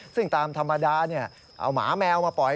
ซึ่งตามธรรมดาเอาหมาแมวมาปล่อย